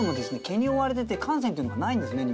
毛に覆われてて汗腺というのがないんですね